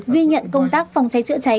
ghi nhận công tác phòng cháy chữa cháy